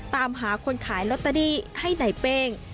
ตามหาคนขายลอตเตอรี่ให้ในเป้ง